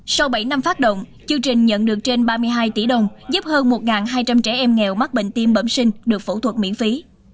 sau bảy năm phát động chương trình nhận được trên ba mươi hai tỷ đồng giúp hơn một hai trăm linh trẻ em nghèo mắc bệnh tim bẩm sinh được phẫu thuật miễn phí